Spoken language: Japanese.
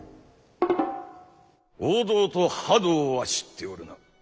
王道と覇道は知っておるな。